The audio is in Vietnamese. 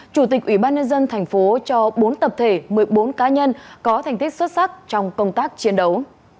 chủ tịch ủy ban nhân dân thành phố cho bốn tập thể một mươi bốn cá nhân có thành tích xuất sắc trong công tác chiến đấu